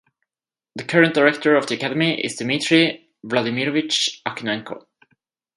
The current director of the academy is Dmitriy Vladimirovich Akunenko.